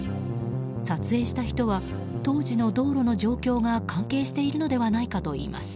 撮影した人は当時の道路の状況が関係しているのではないかといいます。